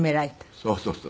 そうそうそう。